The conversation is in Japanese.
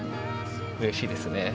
うれしいですね。